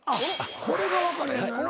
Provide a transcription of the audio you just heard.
これが分からへんのやな。